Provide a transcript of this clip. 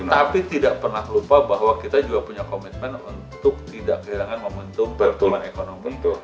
tapi tidak pernah lupa bahwa kita juga punya komitmen untuk tidak kehilangan momentum pertumbuhan ekonomi itu